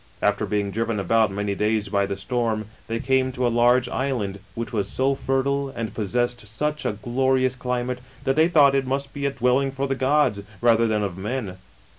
After being driven about many days by the stoi rn, they came to a large island, which was so fertile and possessed such a glorious climate, that they thought it must be a dwelling for the gods, rather than of men.